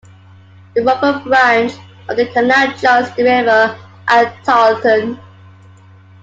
The Rufford Branch of the canal joins the river at Tarleton.